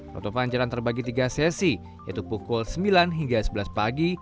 penutupan jalan terbagi tiga sesi yaitu pukul sembilan hingga sebelas pagi